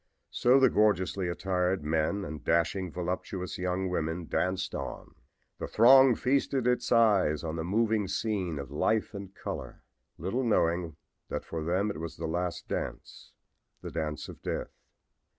So the gorgeously attired men and dashing, voluptuous young women danced on. The throng feasted its eyes on the moving scene of life and color, little knowing that for them it was the last dance the dance of death!